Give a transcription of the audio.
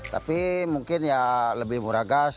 tapi mungkin ya lebih murah gas